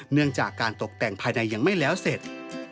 เนื่องจากการตกแต่งภายในยังไม่แล้วเสร็จ